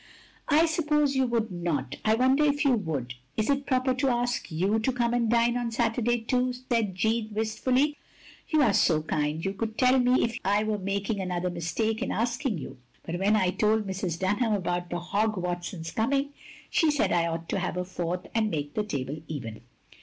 "I suppose you would not, — I wonder if you would — is it proper to ask you to come and dine on Saturday too?" said Jeanne, wistfully. "You are so kind you would tell me if I were making another mistake in asking you. But when I told Mrs. Dunham about the Hogg Watsons coming, she said I ought to have a fourth, and makQ the table even.